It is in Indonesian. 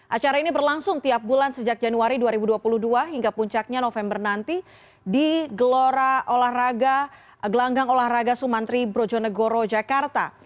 acara ini berlangsung tiap bulan sejak januari dua ribu dua puluh dua hingga puncaknya november nanti di gelanggang olahraga sumantri brojonegoro jakarta